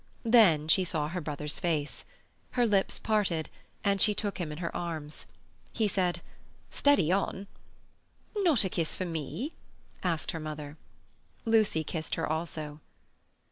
Then she saw her brother's face. Her lips parted, and she took him in her arms. He said, "Steady on!" "Not a kiss for me?" asked her mother. Lucy kissed her also.